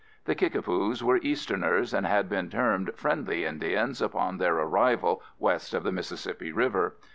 The Kickapoos were easterners, and had been termed "friendly Indians," upon their arrival west of the Mississippi River.